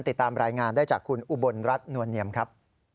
ติดตามรายงานได้จากคุณอุบลรัฐนวลเนียมครับ